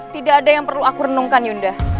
tidak ada yang perlu aku renungkan yuda